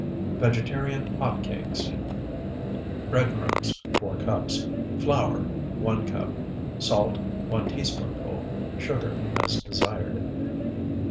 VEGETARIAN HOT CAKES Bread crumbs, 4 cups. Flour, 1 cup. Salt, 1 teaspoonful. Sugar as desired.